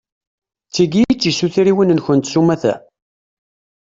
D tigi i d tisutriwin-nkent s umata?